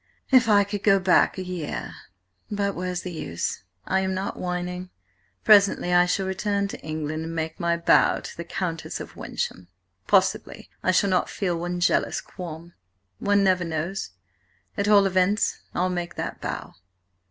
If I could go back a year–but where's the use? I am not whining. Presently I shall return to England and make my bow to–the Countess of Wyncham. Possibly, I shall not feel one jealous qualm. One never knows. At all events–I'll make that bow."